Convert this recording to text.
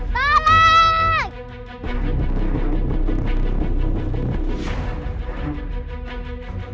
afih paha memang sworthy